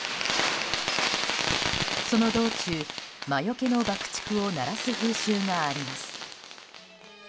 その道中、魔よけの爆竹を鳴らす風習があります。